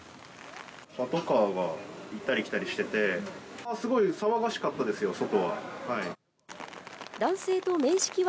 パトカーが行ったり来たりしてて、すごい騒がしかったですよ、外は。